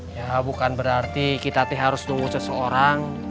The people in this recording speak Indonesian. ya bukan berarti kita harus tunggu seseorang